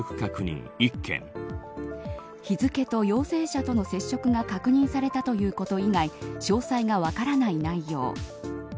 日付と陽性者との接触が確認されたということ以外詳細が分からない内容。